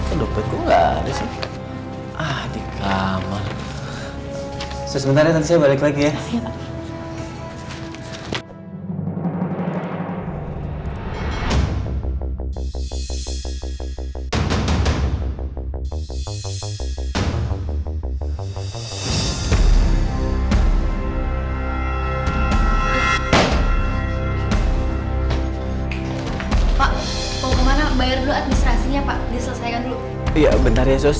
ibu dimana sih ibu